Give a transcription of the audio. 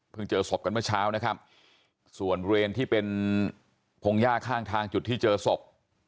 เจอศพกันเมื่อเช้านะครับส่วนบริเวณที่เป็นพงหญ้าข้างทางจุดที่เจอศพ